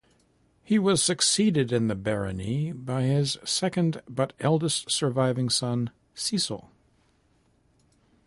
He was succeeded in the barony by his second but eldest surviving son, Cecil.